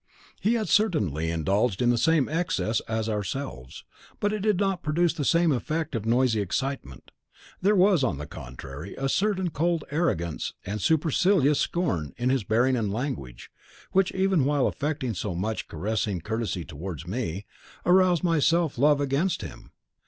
He had certainly indulged in the same excess as ourselves, but it did not produce the same effect of noisy excitement. There was, on the contrary, a certain cold arrogance and supercilious scorn in his bearing and language, which, even while affecting so much caressing courtesy towards me, roused my self love against him.